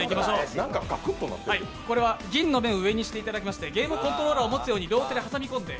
これは銀の目を上にしていただいてゲームコントローラーを持つように両手で挟み込んで。